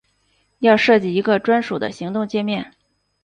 要设计一个专属的行动介面